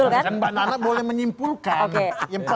kan mbak nanda boleh menyimpulkan